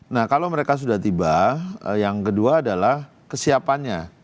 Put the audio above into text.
nah kalau mereka sudah tiba yang kedua adalah kesiapannya